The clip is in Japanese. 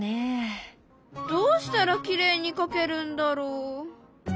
どうしたらきれいに描けるんだろう？